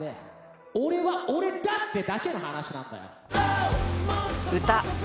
俺は俺だってだけの話なんだよ。